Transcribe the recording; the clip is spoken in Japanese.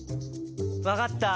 分かった。